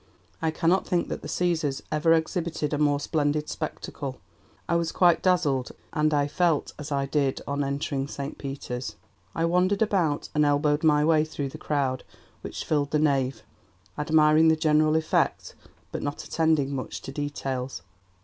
I cannot think that the Caesars ever exhibited a more splendid spectacle. I was quite dazzled, and I felt as I did on entering St Peter's. I wandered about, and elbowed my way through the crowd which filled the nave, admiring the general effect, but not attending much to details."